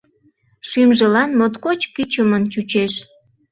Шӱмжылан моткоч кӱчымын чучеш.